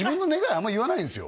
あんまり言わないんですよ